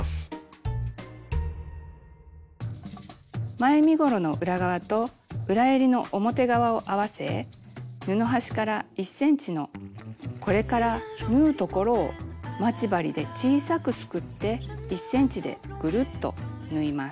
前身ごろの裏側と裏えりの表側を合わせ布端から１ｃｍのこれから縫うところを待ち針で小さくすくって１ｃｍでぐるっと縫います。